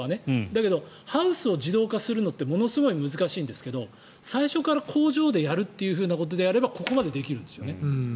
だけど、ハウスを自動化するのってものすごい難しいんですけど最初から工場でやるっていうことであればここまでできるんですよね。